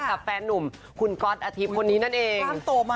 กับแฟนหนุ่มคุณก๊อตอาทิตย์คนนี้นั่นเอง